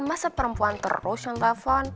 masa perempuan terus yang telfon